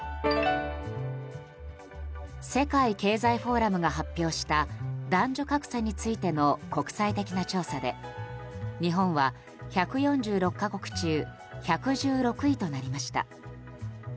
世界経済フォーラムが発表した男女格差についての国際的な調査で日本は１４６か国中１１６位となりました。